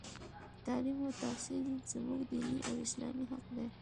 تـعلـيم او تحـصيل زمـوږ دينـي او اسـلامي حـق دى.